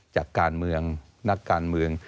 จากการเมืองนักการเมือง